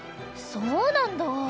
そうなんだ！